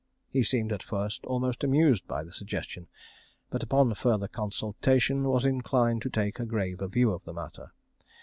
He seemed at first almost amused by the suggestion; but upon further consultation was inclined to take a graver view of the matter.